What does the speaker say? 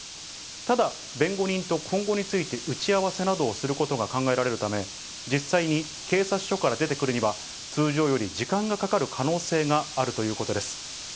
ただ、弁護人と今後について打ち合わせなどをすることが考えられるため、実際に警察署から出てくるには、通常より時間がかかる可能性があるということです。